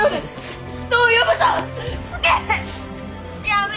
やめ！